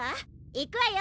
いくわよ！